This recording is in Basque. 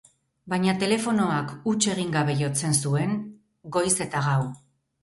Baina telefonoak huts egin gabe jotzen zuen, goiz eta gau.